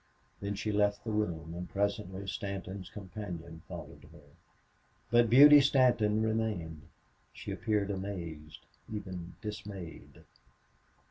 Then she left the room, and presently Stanton's companion followed her. But Beauty Stanton remained. She appeared amazed, even dismayed.